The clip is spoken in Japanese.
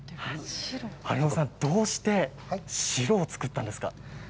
晴信さんどうして白を作ったんですか？